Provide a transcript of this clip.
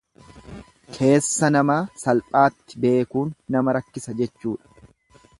Keessa namaa salphaatti beekuun nama rakkisa jechuudha.